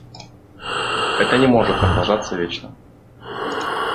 Это не может продолжаться вечно.